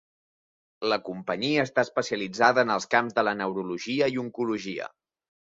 La companyia està especialitzada en els camps de la neurologia i oncologia.